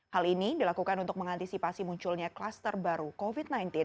hal ini dilakukan untuk mengantisipasi munculnya kluster baru covid sembilan belas